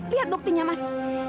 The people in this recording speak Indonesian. lihat buktinya mas